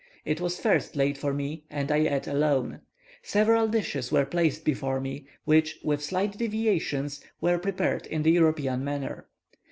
It was first laid for me, and I ate alone. Several dishes were placed before me, which, with slight deviations, were prepared in the European manner.